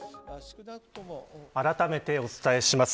あらためてお伝えします。